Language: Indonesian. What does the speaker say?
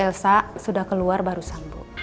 elsa sudah keluar barusan bu